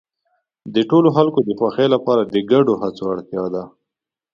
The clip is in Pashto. د ټولو خلکو د خوښۍ لپاره د ګډو هڅو اړتیا ده.